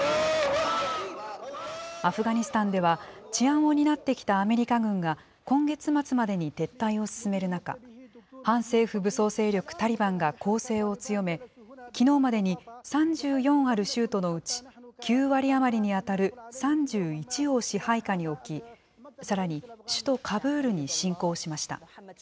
アフガニスタンでは、治安を担ってきたアメリカ軍が、今月末までに撤退を進める中、反政府武装勢力タリバンが攻勢を強め、きのうまでに３４ある州都のうち、９割余りに当たる３１を支配下に置き、さらに首都カブールに侵攻しました。